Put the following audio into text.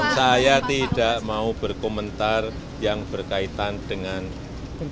saya tidak mau berkomentar yang berkaitan dengan